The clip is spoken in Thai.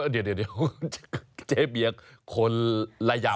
เดี๋ยวเจ๊เบียคนระยะ